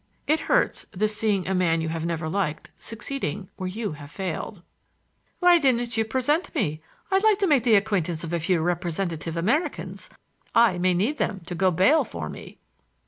It hurts, this seeing a man you have never liked succeeding where you have failed! "Why didn't you present me? I'd like to make the acquaintance of a few representative Americans,—I may need them to go bail for me."